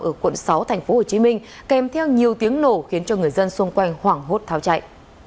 ở quận sáu tp hcm kèm theo nhiều tiếng nổ khiến cho người dân xung quanh hoảng hốt tháo chạy